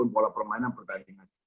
pola permainan pertandingan